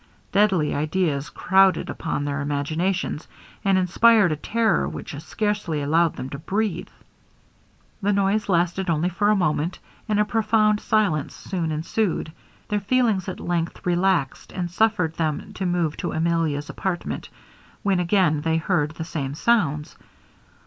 Deadly ideas crowded upon their imaginations, and inspired a terror which scarcely allowed them to breathe. The noise lasted only for a moment, and a profound silence soon ensued. Their feelings at length relaxed, and suffered them to move to Emilia's apartment, when again they heard the same sounds.